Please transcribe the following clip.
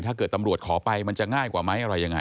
ถ้าเกิดตำรวจขอไปมันจะง่ายกว่าไหมอะไรยังไง